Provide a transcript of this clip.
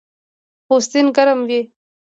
پوستین ګرم وي